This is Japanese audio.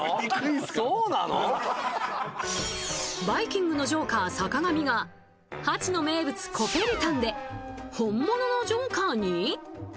「バイキング」のジョーカー坂上がＨＡＣＨＩの名物コペリタンで本物のジョーカーに。